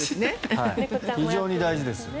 非常に大事です。